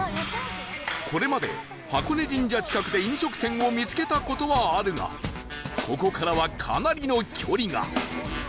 これまで箱根神社近くで飲食店を見つけた事はあるがここからはかなりの距離が